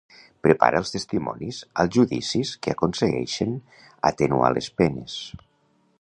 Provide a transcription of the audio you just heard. Prepara els testimonis als judicis que aconsegueixen atenuar les penes.